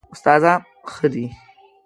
استادان ښه دي؟